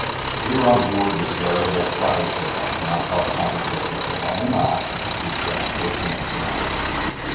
Here on board this veritable fire ship I cannot help contemplating with a longing eye this vast ocean that surrounds us.